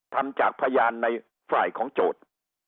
ทำจากพยานในฝ่ายของโจทย์